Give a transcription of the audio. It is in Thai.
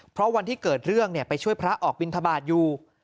เพราะวันที่เกิดเรื่องไปช่วยพระออกบินทบาทอยู่